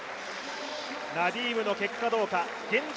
ナディームの結果、どうか。